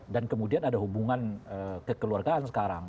dan kemudian ada hubungan kekeluargaan sekarang